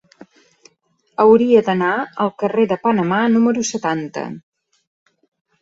Hauria d'anar al carrer de Panamà número setanta.